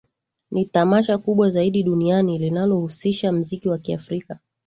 Ni Tamasha kubwa zaidi duniani linalohusisha mziki wa kiafrika